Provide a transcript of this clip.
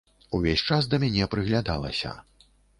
Увесь час да мяне прыглядалася.